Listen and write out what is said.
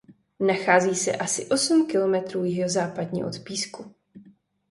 Nachází se asi osm kilometrů jihozápadně od Písku.